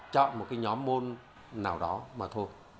chọn một nhóm môn nào đó mà thôi